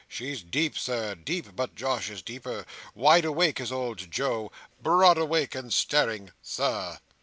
She's deep, Sir, deep, but Josh is deeper. Wide awake is old Joe—broad awake, and staring, Sir!"